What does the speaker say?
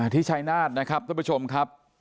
ชายนาฏนะครับท่านผู้ชมครับ